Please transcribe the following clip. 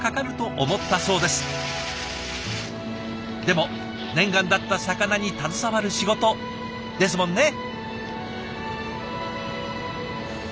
でも念願だった魚に携わる仕事ですもんね。